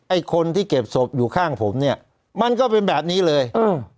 ไอ้คนที่เก็บศพอยู่ข้างผมเนี่ยมันก็เป็นแบบนี้เลยอืม